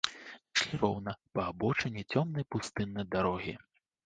Ішлі роўна, па абочыне цёмнай пустыннай дарогі.